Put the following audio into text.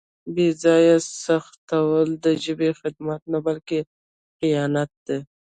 بې ځایه سختول د ژبې خدمت نه بلکې خیانت دی.